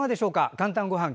「かんたんごはん」